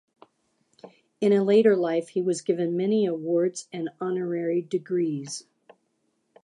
In later life he was given many awards and honorary degrees.